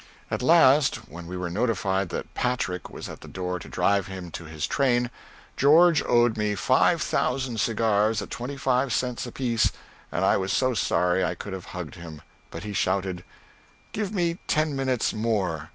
At last, when we were notified that Patrick was at the door to drive him to his train, George owed me five thousand cigars at twenty five cents apiece, and I was so sorry I could have hugged him. But he shouted, "Give me ten minutes more!"